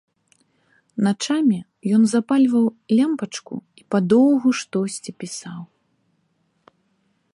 Начамі ён запальваў лямпачку і падоўгу штосьці пісаў.